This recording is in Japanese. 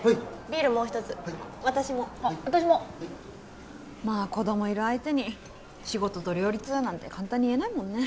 ビールもう一つはい私も私もまあ子供いる相手に仕事と両立なんて簡単に言えないもんね